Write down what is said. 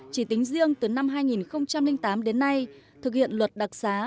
chỉ tính riêng từ năm hai nghìn tám đến nay thực hiện luật đặc giá